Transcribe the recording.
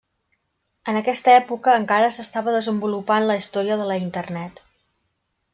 En aquesta època encara s'estava desenvolupant la Història de la Internet.